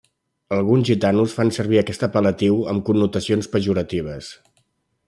Alguns gitanos fan servir aquest apel·latiu amb connotacions pejoratives.